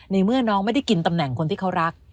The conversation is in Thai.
เมื่อน้องไม่ได้กินตำแหน่งคนที่เขารัก